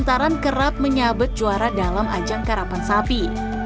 tetap menyabet juara dalam ajang karapan sapi